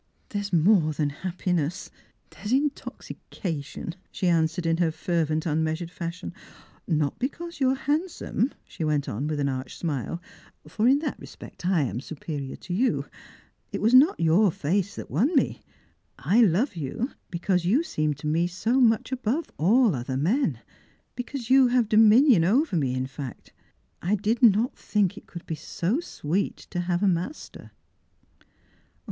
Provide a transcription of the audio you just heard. " There is more than happiness, there is intoxication !" she answered in her fervent unmeasured fashion. "]Sot because you are handsome," she went on, with an arch smile ;" for in that respect I am superior to you. It was not your face that won me. I love you because you seem to me so much above all other men ; because you have dominion over me, in fact. I did not think it could be so sweet to have a master."